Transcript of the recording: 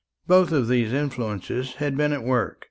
Both these influences had been at work.